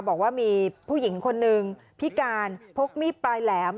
บอกว่ามีผู้หญิงคนหนึ่งพิการพกมีดปลายแหลม